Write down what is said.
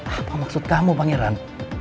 apa maksud kamu pangeran